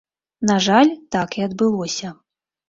На жаль, так і адбылося.